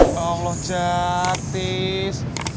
ya allah jatis